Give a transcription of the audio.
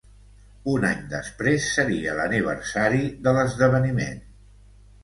Un any després seria l'aniversari de l'esdeveniment.